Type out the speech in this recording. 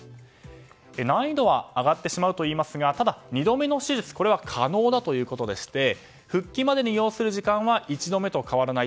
難易度は上がってしまうといいますがただ、２度目の手術は可能だということでして復帰までに要する時間は１度目と変わらない。